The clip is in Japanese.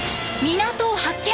港を発見！